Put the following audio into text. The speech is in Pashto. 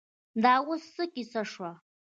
دا اوس څه کیسه شوه.